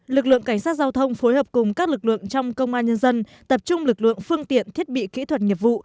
lực lượng cảnh sát giao thông phối hợp cùng các lực lượng trong công an nhân dân tập trung lực lượng phương tiện thiết bị kỹ thuật nghiệp vụ